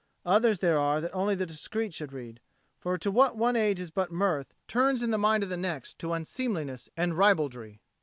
Others there are that only the discreet should read; for what to one age is but mirth turns in the mind of the next to unseemliness and ribaldry.